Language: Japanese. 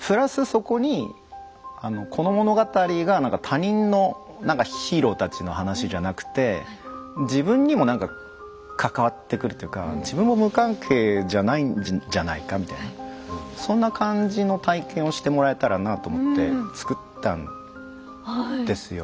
そこにこの物語がなんか他人のなんかヒーローたちの話じゃなくて自分にもなんか関わってくるというか自分も無関係じゃないんじゃないかみたいなそんな感じの体験をしてもらえたらなと思ってつくったんですよ。